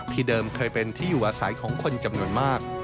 เดิมเคยเป็นที่อยู่อาศัยของคนจำนวนมาก